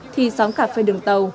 thì xóm cà phê đường tàu